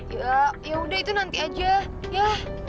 ya ya udah itu nanti aja ya